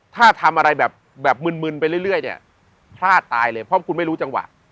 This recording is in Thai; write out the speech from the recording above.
ถ้าทำอะไรแบบมึนไปเรื่อยเนี่ยพลาดตายเลยเพราะคุณไม่รู้จังหวะ